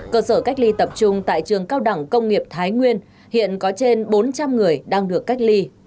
cơ sở cách ly tập trung tại trường cao đẳng công nghiệp thái nguyên hiện có trên bốn trăm linh người đang được cách ly